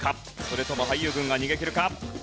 それとも俳優軍が逃げ切るか？